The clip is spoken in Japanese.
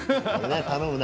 頼むな。